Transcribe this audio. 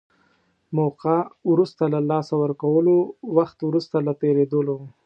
موقعه وروسته له لاسه ورکولو، وخت وروسته له تېرېدلو.